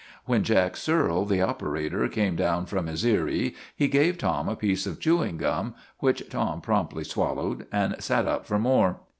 When Jack Searle, the operator, came down from his eyrie, he gave Tom a piece of chewing gum, which Tom promptly swallowed and sat up for more.